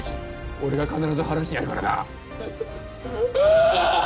俺が必ず晴らしてやるからな。